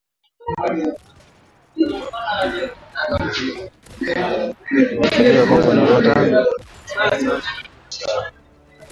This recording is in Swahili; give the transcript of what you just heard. Jamhuri ya Kidemokrasia ya Kongo na Rwanda zajibizana kuhusu waasi wa Harakati za Machi ishirini na tatu